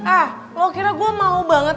ah lo kira gue mau banget